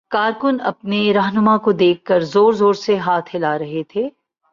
کارکن اپنے راہنما کو دیکھ کر زور زور سے ہاتھ ہلا رہے تھے۔